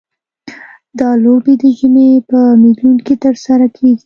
دا لوبې د ژمي په میلوں کې ترسره کیږي